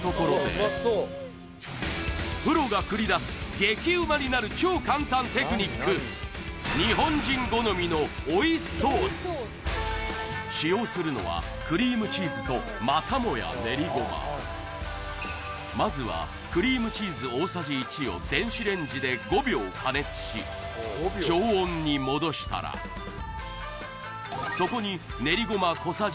激ウマになる超簡単テクニック使用するのはクリームチーズとまたもやねりごままずはクリームチーズ大さじ１を電子レンジで５秒加熱し常温に戻したらそこにねりごま小さじ